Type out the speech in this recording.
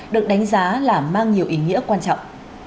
được đánh giá là mang nhiều ý nghĩa quan trọng